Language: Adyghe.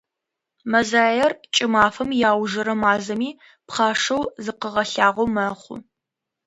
Мэзаер кӏымафэм иаужырэ мазэми, пхъашэу зыкъыгъэлъагъоу мэхъу.